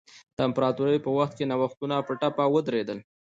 د امپراتورۍ په وخت کې نوښتونه په ټپه ودرېدل.